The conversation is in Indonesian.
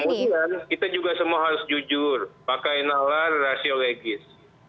kemudian kita juga semua harus jujur pakai nalar rasiologis